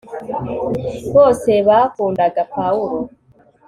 bose bakundaga pawulo